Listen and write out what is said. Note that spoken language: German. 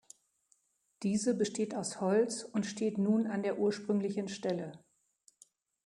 Diese besteht aus Holz und steht nun an der ursprünglichen Stelle.